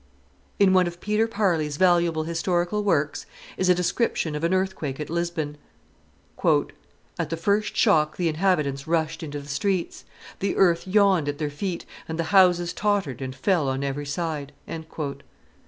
In one of Peter Parley's valuable historical works is a description of an earthquake at Lisbon. "At the first shock the inhabitants rushed into the streets; the earth yawned at their feet and the houses tottered and fell on every side."